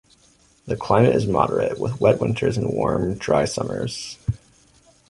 The climate is moderate with wet winters and warm, dry summers.